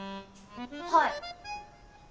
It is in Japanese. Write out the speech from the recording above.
はい。